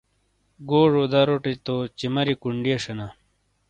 گوجو داروڑے تو چِماریئے کُنڈیئے شینا۔